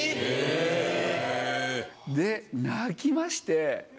で泣きまして。